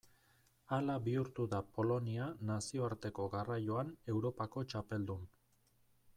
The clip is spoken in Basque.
Hala bihurtu da Polonia nazioarteko garraioan Europako txapeldun.